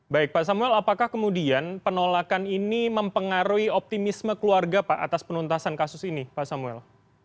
baik pak samuel apakah kemudian penolakan ini mempengaruhi optimisme keluarga pak atas penuntasan kasus ini pak samuel